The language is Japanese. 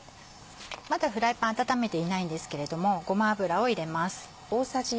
まだフライパン温めていないんですけれどもごま油を入れます。